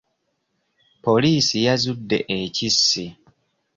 Poliisi yazudde ekkisi.